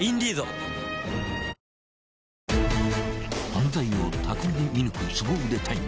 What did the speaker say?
［犯罪を巧みに見抜くすご腕隊員］